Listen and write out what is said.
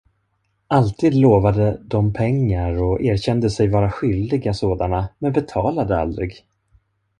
Alltid lovade de pengar och erkände sig vara skyldiga sådana, men betalade aldrig.